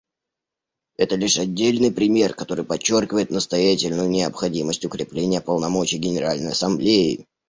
Это лишь отдельный пример, который подчеркивает настоятельную необходимость укрепления полномочий Генеральной Ассамблеи.